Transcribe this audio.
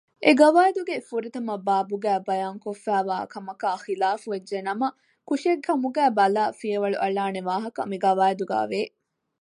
އެގަވައިދުގެ ފުރަތަމަ ބާބުގައި ބަޔާންކޮށްފައިވާ ކަމަކާއި ޚިލާފުވެއްޖެނަމަ ކުށެއްކަމުގައި ބަލައި ފިޔަވަޅު އަޅާނެ ވާހަކަ މިގަވައިދުގައި ވެ